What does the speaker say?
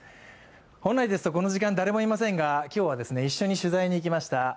本来ですとこの時間誰もいませんが今日は一緒に取材に行きました。